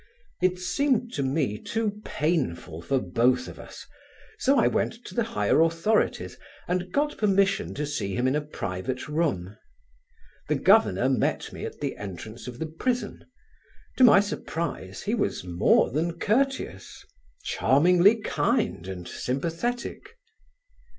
It seemed to me too painful for both of us, so I went to the higher authorities and got permission to see him in a private room. The Governor met me at the entrance of the prison: to my surprise he was more than courteous; charmingly kind and sympathetic.